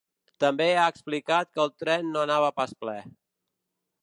També ha explicat que el tren no anava pas ple.